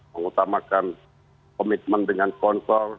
mengutamakan komitmen dengan konsul